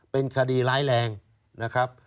เป็นคดีร้ายแรงนะครับ